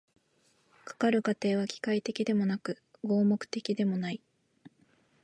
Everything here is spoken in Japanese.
かかる過程は機械的でもなく合目的的でもない。